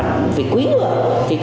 thì cô cứ cho cái đấy dạy năm năm